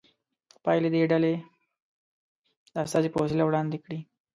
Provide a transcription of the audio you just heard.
پایلې دې ډلې د استازي په وسیله وړاندې کړي.